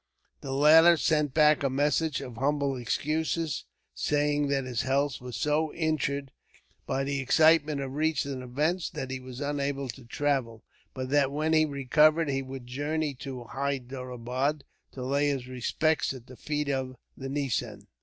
The latter sent back a message of humble excuses, saying that his health was so injured, by the excitement of recent events, that he was unable to travel; but that, when he recovered, he would journey to Hyderabad to lay his respects at the feet of the nizam.